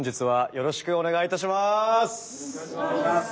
よろしくお願いします。